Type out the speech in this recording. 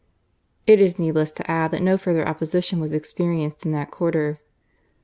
It is needless; to add that no further opposition was experienced in that quarter.